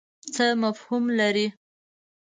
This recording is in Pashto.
څه مفهوم لري.